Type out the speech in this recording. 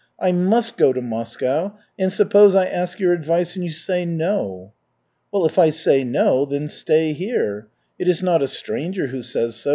I must go to Moscow, and suppose I ask your advice and you say no?" "Well, if I say no, then stay here! It is not a stranger who says so.